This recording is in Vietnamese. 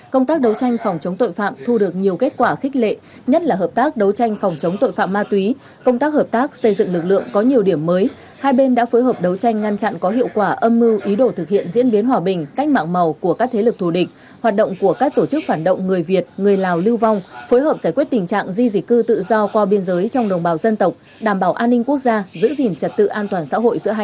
công tác đấu tranh phòng chống tội phạm thu được nhiều kết quả khích lệ nhất là hợp tác đấu tranh phòng chống tội phạm ma túy công tác hợp tác xây dựng lực lượng có nhiều điểm mới hai bên đã phối hợp đấu tranh ngăn chặn có hiệu quả âm mưu ý đồ thực hiện diễn biến hòa bình cách mạng màu của các thế lực thù địch hoạt động của các tổ chức phản động người việt người lào lưu vong phối hợp giải quyết tình trạng di dịch cư tự do qua biên giới trong đồng bào dân tộc đảm bảo an ninh quốc gia giữ gìn trật tự an toàn xã